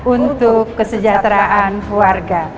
untuk kesejahteraan warga